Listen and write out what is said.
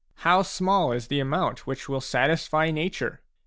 How small is the amount which will satisfy nature